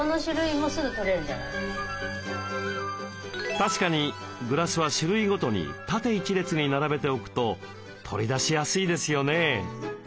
確かにグラスは種類ごとに縦一列に並べておくと取り出しやすいですよね。